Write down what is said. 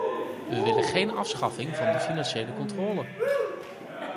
Wij willen geen afschaffing van de financiële controle.